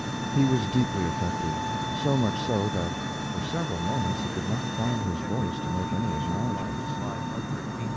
He was deeply affected, so much so that for several moments he could not find his voice to make any acknowledgments.